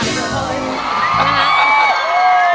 นะฮะ